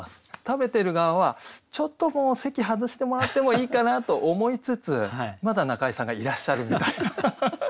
食べてる側はちょっともう席外してもらってもいいかなと思いつつまだ仲居さんがいらっしゃるみたいな。